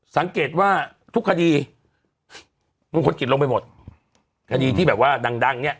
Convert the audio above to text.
สังเกตว่าทุกคดีมงคลกิจลงไปหมดคดีที่แบบว่าดังดังเนี่ย